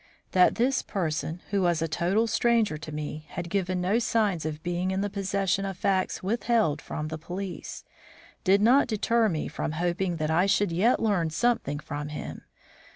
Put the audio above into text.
That this person, who was a total stranger to me, had given no sign of being in the possession of facts withheld from the police, did not deter me from hoping that I should yet learn something from him.